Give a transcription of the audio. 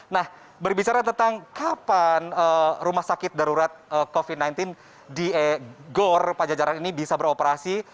nah berbicara tentang kapan rumah sakit darurat covid sembilan belas di gor pajajaran ini bisa beroperasi